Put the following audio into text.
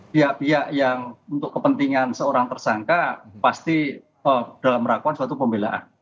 pihak pihak yang untuk kepentingan seorang tersangka pasti dalam melakukan suatu pembelaan